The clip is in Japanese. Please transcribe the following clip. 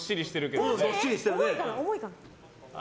重いかな。